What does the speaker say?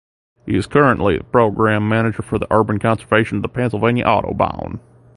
He is currently the program manager for urban conservation for Pennsylvania Audubon.